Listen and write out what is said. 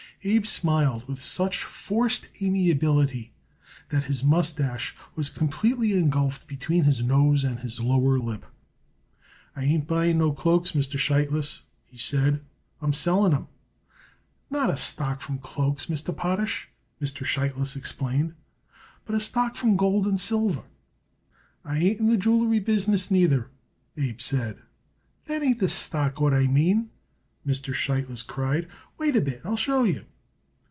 Abe smiled with such forced amiability that his mustache was completely engulfed between his nose and his lower lip. "I ain't buying no cloaks, Mr. Sheitlis," he said. "I'm selling 'em." "Not a stock from cloaks, Mr. Potash," Mr. Sheitlis explained; "but a stock from gold and silver." "I ain't in the jewelry business, neither," Abe said. "That ain't the stock what I mean," Mr. Sheitlis cried. "Wait a bit and I'll show you."